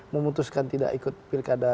memutuskan tidak ikut pilkada